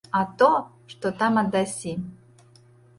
А то, што там аддасі!